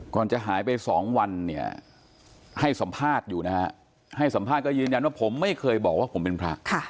จะหายไป๒วันเนี่ยให้สัมภาษณ์อยู่นะฮะให้สัมภาษณ์ก็ยืนยันว่าผมไม่เคยบอกว่าผมเป็นพระ